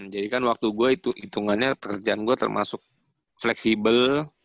jadi kan waktu gua itu hitungannya kerjaan gua termasuk fleksibel